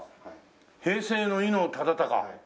「平成の伊能忠敬」